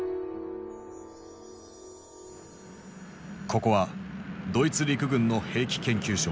ここはドイツ陸軍の兵器研究所。